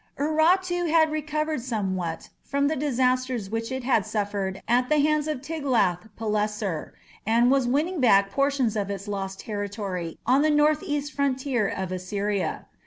Urartu had recovered somewhat from the disasters which it had suffered at the hands of Tiglath pileser, and was winning back portions of its lost territory on the north east frontier of Assyria.